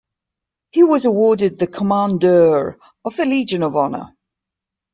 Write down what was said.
He was awarded the Commandeur of the Legion of Honour.